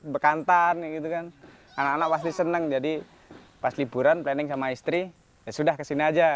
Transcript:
bekantan gitu kan anak anak pasti senang jadi pas liburan planning sama istri ya sudah kesini aja